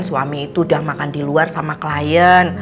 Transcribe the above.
suami itu udah makan di luar sama klien